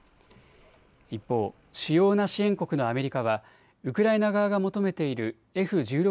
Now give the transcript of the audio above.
一方、主要な支援国のアメリカはウクライナ側が求めているＦ１６